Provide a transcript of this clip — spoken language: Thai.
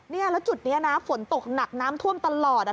เนี่ยแล้วจุดนี้นะฝนตกหนักน้ำท่วมตลอด